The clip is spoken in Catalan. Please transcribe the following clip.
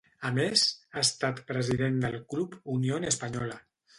A més, ha estat president del club Unión Española.